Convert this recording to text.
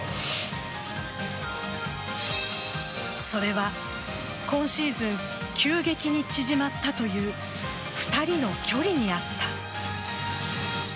それは今シーズン急激に縮まったという２人の距離にあった。